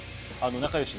仲良しで。